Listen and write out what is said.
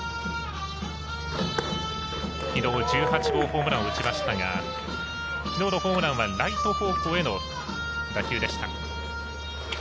きのう１８号ホームランを打ちましたがきのうのホームランはライト方向への打球でした。